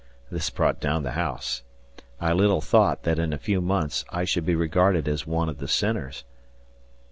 This "brought down the house." I little thought that in a few months I should be regarded as one of the sinners.